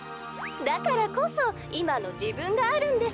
だからこそいまのじぶんがあるんです」。